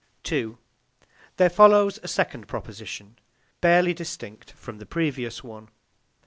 2. There follows a second proposition, barely distinct from the previous one.